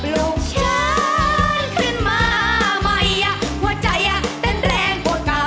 ลูกฉันขึ้นมาใหม่หัวใจเต้นแรงกว่าเก่า